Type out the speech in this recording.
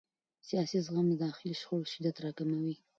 سیاسي زغم د داخلي شخړو شدت راکموي